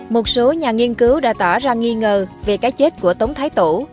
một số nhà nghiên cứu đã tỏ ra nghi ngờ về cái chết của tống thái tổ